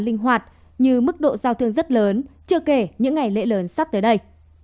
linh hoạt như mức độ giao thương rất lớn chưa kể những ngày lễ lớn sắp tới đây